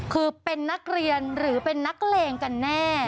คือเป็นนักเรียนหรือเป็นนักเลงกันแน่